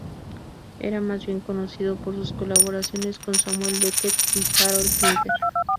Era más bien conocido por sus colaboraciones con Samuel Beckett y Harold Pinter.